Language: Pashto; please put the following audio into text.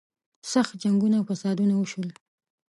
سخت جنګونه او فسادونه وشول.